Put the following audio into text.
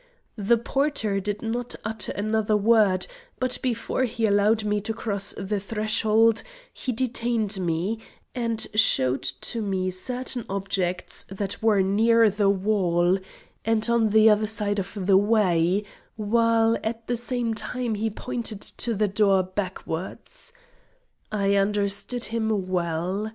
The porter did not utter another word, but before he allowed me to cross the threshold, he detained me, and showed to me certain objects that were near the wall, and on the other side of the way, while at the same time he pointed to the door backwards. I understood him well.